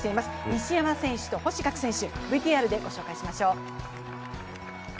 西山選手と星岳選手ＶＴＲでご紹介しましょう。